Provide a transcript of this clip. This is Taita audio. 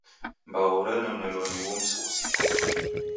Mbau ranonelo ni ugho msughusiko.